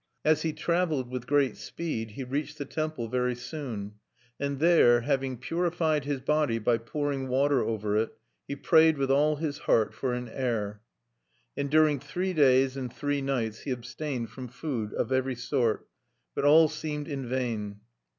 As he traveled with great speed he reached the temple very soon; and there, having purified his body by pouring water over it, he prayed with all his heart for an heir. And during three days and three nights he abstained from food of every sort. But all seemed in vain.